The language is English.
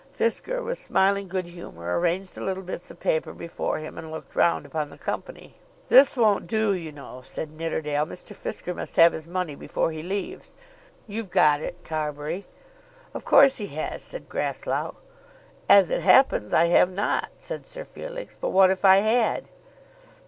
Fisker, with smiling good humour, arranged the little bits of paper before him and looked round upon the company. "This won't do, you know," said Nidderdale. "Mr. Fisker must have his money before he leaves. You've got it, Carbury." "Of course he has," said Grasslough. "As it happens I have not," said Sir Felix; "but what if I had?"